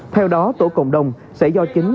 theo đó tổ cộng đồng sẽ do chính